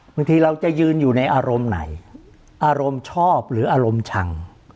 บางทีเราจะยืนอยู่ในอารมณ์ไหนอารมณ์ชอบหรืออารมณ์ชัง